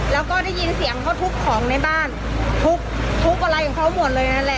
แล้วก็ได้ยินเสียงเขาทุบของในบ้านทุบอะไรของเขาหมดเลยนั่นแหละ